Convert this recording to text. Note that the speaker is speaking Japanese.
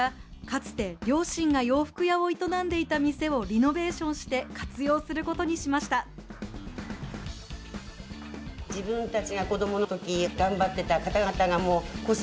かつて両親が洋服屋を営んでいた店をリノベーションして活用することにしました。